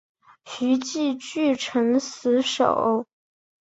徐揖据城死守。